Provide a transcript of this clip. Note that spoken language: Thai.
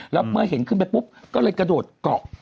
แล้วเมื่อเห็นขึ้นไปปุ๊บก็เลยกระโดดเกาะ